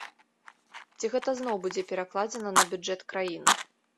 Ці гэта зноў будзе перакладзена на бюджэт краіны?